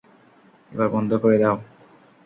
এবার বন্ধ করে দাও!